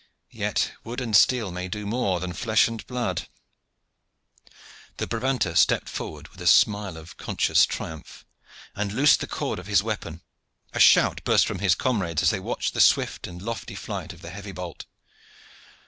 Yet wood and steel may do more than flesh and blood." The Brabanter stepped forward with a smile of conscious triumph, and loosed the cord of his weapon. A shout burst from his comrades as they watched the swift and lofty flight of the heavy bolt.